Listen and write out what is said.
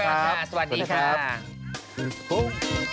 สวัสดีค่ะ